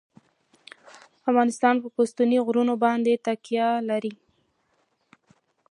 افغانستان په ستوني غرونه باندې تکیه لري.